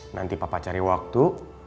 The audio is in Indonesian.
nanti papa cari waktu